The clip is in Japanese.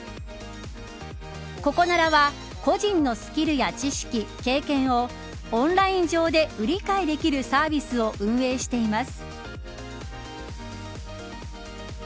ココナラは個人のスキルや知識、経験をオンライン上で売り買いできるサービスを運営しています。